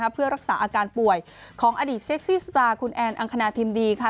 เพื่อรักษาอาการป่วยของอดีตเซ็กซี่สตาร์คุณแอนอังคณาทิมดีค่ะ